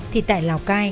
thì tại lào cai